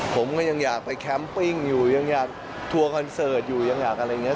ผมก็ยังอยากไปแคมปิ้งอยู่ยังอยากทัวร์คอนเสิร์ตอยู่ยังอยากอะไรอย่างนี้